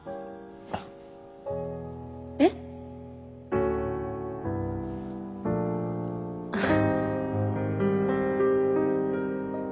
えっ？あっ。